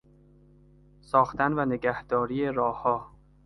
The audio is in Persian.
ساختن و نگهداری راهها